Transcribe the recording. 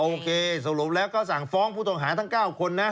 โอเคสรุปแล้วก็สั่งฟ้องผู้ต้องหาทั้ง๙คนนะ